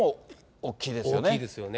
大きいですよね。